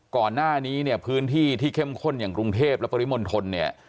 ก่อนหน้านี้เนี่ยพื้นที่ที่เข้มข้นอย่างกรุงเทพและปริมณฑลเนี่ย